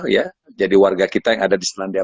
ya jadi warga kita yang ada di selandia